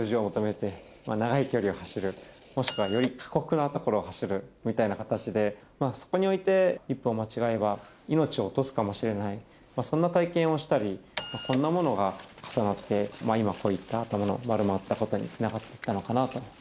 長い距離を走るもしくはより過酷な所を走るみたいな形でそこにおいて一歩を間違えば命を落とすかもしれないそんな体験をしたりこんなものが重なって今こういった頭の丸まったことにつながっていったのかなと。